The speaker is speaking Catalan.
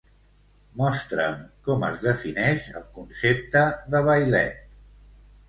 Mostra'm com es defineix el concepte de vailet.